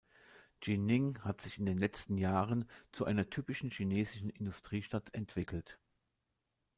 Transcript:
Jining hat sich in den letzten Jahren zu einer typischen chinesischen Industriestadt entwickelt.